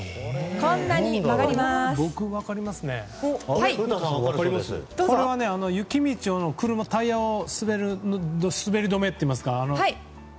これは雪道用のタイヤの滑り止めといいますか。